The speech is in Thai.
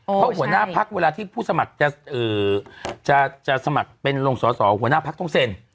เพราะหัวหน้าพักเวลาที่ผู้สมัครจะสมัครเป็นลงสอสอหัวหน้าพักต้องเซ็น